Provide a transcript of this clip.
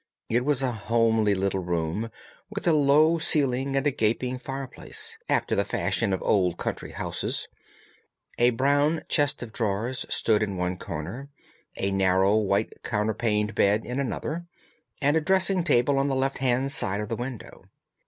It was a homely little room, with a low ceiling and a gaping fireplace, after the fashion of old country houses. A brown chest of drawers stood in one corner, a narrow white counterpaned bed in another, and a dressing table on the left hand side of the window.